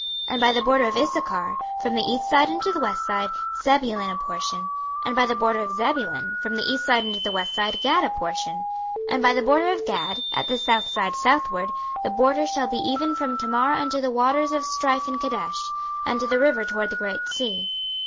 26:048:026 And by the border of Issachar, from the east side unto the west side, Zebulun a portion. 26:048:027 And by the border of Zebulun, from the east side unto the west side, Gad a portion. 26:048:028 And by the border of Gad, at the south side southward, the border shall be even from Tamar unto the waters of strife in Kadesh, and to the river toward the great sea.